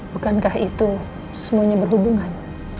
bukankah itu semuanya berhubungan